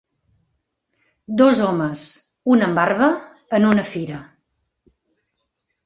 Dos homes, un amb barba, en una fira.